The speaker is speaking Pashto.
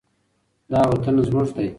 دا وطن زموږ دی.